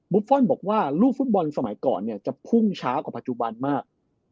ฟอลบอกว่าลูกฟุตบอลสมัยก่อนเนี่ยจะพุ่งช้ากว่าปัจจุบันมาก